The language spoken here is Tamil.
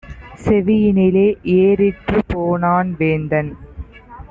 செவியினிலே ஏறிற்றுப் போனான் வேந்தன்!